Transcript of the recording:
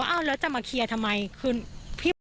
ก็กลายเป็นว่าติดต่อพี่น้องคู่นี้ไม่ได้เลยค่ะ